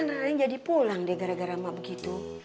nalin jadi pulang deh gara gara mak begitu